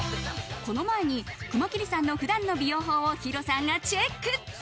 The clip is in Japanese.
その前に熊切さんの普段の美容法をヒロさんがチェック。